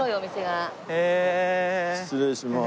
失礼します。